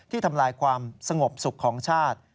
ทำลายความสงบสุขของชาติ